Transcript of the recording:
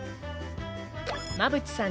馬淵さん